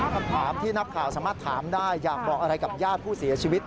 คำถามที่นักข่าวสามารถถามได้อยากบอกอะไรกับญาติผู้เสียชีวิต